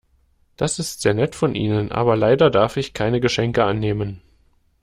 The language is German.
Das ist sehr nett von Ihnen, aber leider darf ich keine Geschenke annehmen.